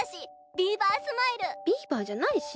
ビーバーじゃないし。